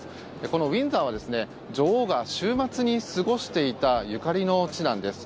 このウィンザーは女王が週末に過ごしていたゆかりの地なんです。